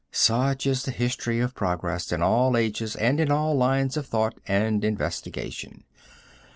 Such is the history of progress in all ages and in all lines of thought and investigation.